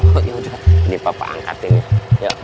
yaudah ini papa angkatin ya